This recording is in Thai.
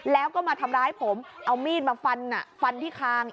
แล้วก็มาทำร้ายผมเอามีดมาฟันฟันที่คาง